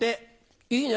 いいね。